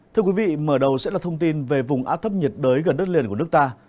thưa quý vị mở đầu sẽ là thông tin về vùng áp thấp nhiệt đới gần đất liền của nước ta